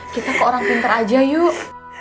kita ke orang pinter aja yuk